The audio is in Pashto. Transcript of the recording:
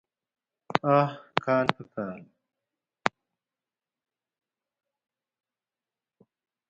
اوح کال په کال.